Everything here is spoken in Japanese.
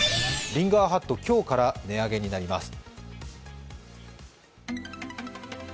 リンガーハット、今日から値上げになります。